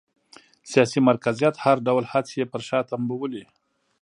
سیاسي مرکزیت هر ډول هڅې یې پر شا تمبولې